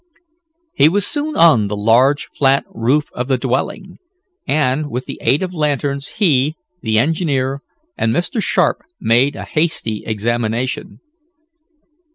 He was soon on the large, flat roof of the dwelling, and, with the aid of lanterns he, the engineer, and Mr. Sharp made a hasty examination.